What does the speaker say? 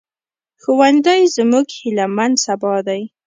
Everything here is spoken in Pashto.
ښوونځی زموږ هيلهمن سبا دی